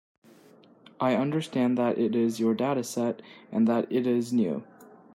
I understand that it is your dataset, and that it is new.